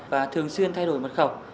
và thường xuyên thay đổi mật khẩu